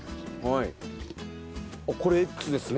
これＸですね。